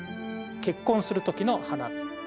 結婚する時の花。